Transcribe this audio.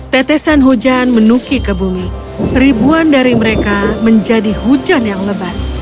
tetesan hujan menuki ke bumi ribuan dari mereka menjadi hujan yang lebat